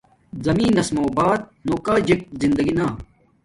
زمین نس مُو بعد نو کاجک زندگی نا